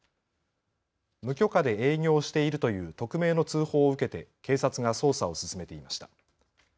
無許可で営業しているという匿名の通報を受けて警察が捜査を進めていました。